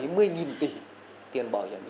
tiền bảo hiểm y tế